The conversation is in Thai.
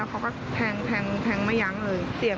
เขาหึงหมดเลยเขาไม่ฟังอะไรเลย